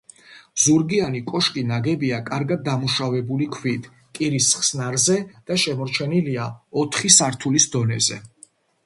ზურგიანი კოშკი ნაგებია კარგად დამუშავებული ქვით, კირის ხსნარზე და შემორჩენილია ოთხი სართულის დონეზე.